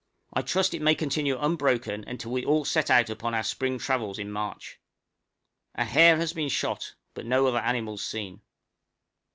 I trust it may continue unbroken until we all set out upon our spring travels in March. A hare has been shot, but no other animals seen.